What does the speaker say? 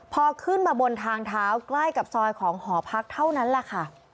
พอขึ้นมาบนทางเท้าใกล้กับซอยของหอพักเท่านั้นแหละค่ะ